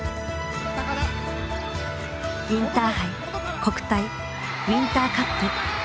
インターハイ国体ウインターカップ。